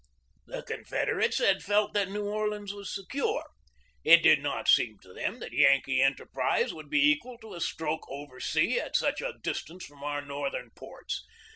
The Confederates had felt that New Orleans was secure. It did not seem to them that Yankee enter prise would be equal to a stroke over sea at such a distance from our Northern ports.